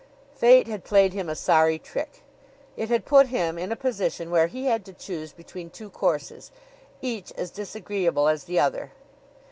Fate had played him a sorry trick. It had put him in a position where he had to choose between two courses, each as disagreeable as the other.